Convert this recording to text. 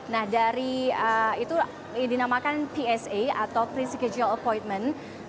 nah itu dinamakan psa atau pre schedule appointment